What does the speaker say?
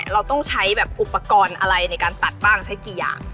เราต้องใช้แบบอุปกรณ์อะไรในการตัดบ้างใช้กี่อย่าง